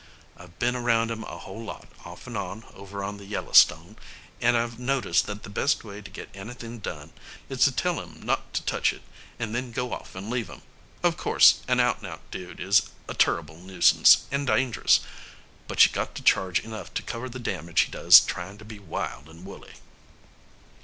I've been around 'em a whole lot, off an' on, over on the Yellastone, and I've noticed that the best way to get anythin' done is to tell 'em not to touch it and then go off and leave 'em. Of course an out an' out dude is a turrible nuisance, and dang'rous, but you got to charge enough to cover the damage he does tryin' to be wild and woolly."